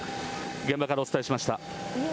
現場からお伝えしました。